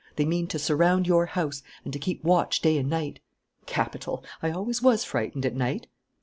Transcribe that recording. They mean to surround your house and to keep watch day and night." "Capital. I always was frightened at night."